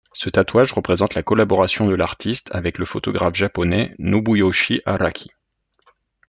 Ce tatouage représente la collaboration de l’artiste avec le photographe japonais Nobuyoshi Araki.